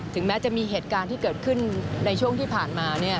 แม้จะมีเหตุการณ์ที่เกิดขึ้นในช่วงที่ผ่านมา